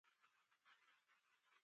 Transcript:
چاپېریال سره سمون د ژوند بنسټ دی.